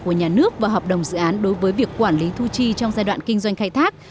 của nhà nước và hợp đồng dự án đối với việc quản lý thu chi trong giai đoạn kinh doanh khai thác